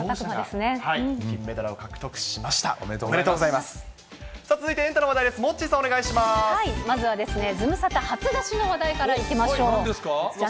まずはズムサタ初出しの話題からいきましょう。